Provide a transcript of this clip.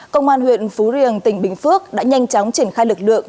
công an huyện phú riềng tỉnh bình phước đã nhanh chóng triển khai lực lượng